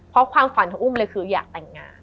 เพราะความฝันของอุ้มเลยคืออยากแต่งงาน